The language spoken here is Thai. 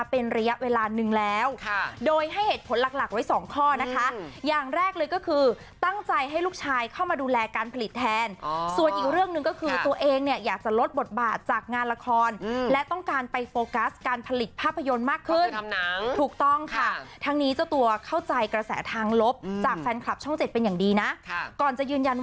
เป็นระยะเวลานึงแล้วโดยให้เหตุผลหลักหลักไว้สองข้อนะคะอย่างแรกเลยก็คือตั้งใจให้ลูกชายเข้ามาดูแลการผลิตแทนส่วนอีกเรื่องหนึ่งก็คือตัวเองเนี่ยอยากจะลดบทบาทจากงานละครและต้องการไปโฟกัสการผลิตภาพยนตร์มากขึ้นถูกต้องค่ะทั้งนี้เจ้าตัวเข้าใจกระแสทางลบจากแฟนคลับช่องเจ็ดเป็นอย่างดีนะก่อนจะยืนยันว่า